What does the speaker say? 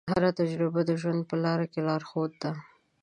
هره تجربه د ژوند په لاره کې لارښود ده.